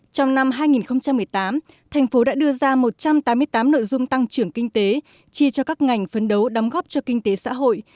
trong năm hai nghìn một mươi tám thành phố đã đưa ra một trăm tám mươi tám nội dung tăng trưởng kinh tế chia cho các ngành phấn đấu đóng góp cho kinh tế xã hội